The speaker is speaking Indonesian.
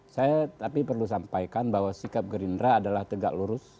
saya tapi perlu sampaikan bahwa sikap gerindra adalah tegak lurus